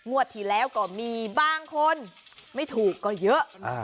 ที่แล้วก็มีบางคนไม่ถูกก็เยอะ